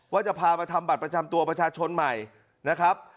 ว่าจะพามาทำบัตรประจำตัวประชาชนใหม่นะครับ